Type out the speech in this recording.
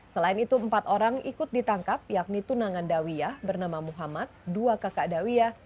selain itu empat orang ikut ditangkap yakni tunangan dawiyah bernama muhammad dua kakak dawiya